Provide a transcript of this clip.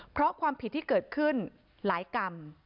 เพราะความผิดที่เกิดขึ้นหลายกรรม